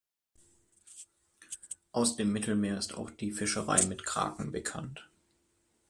Aus dem Mittelmeer ist auch die Fischerei mit Kraken bekannt.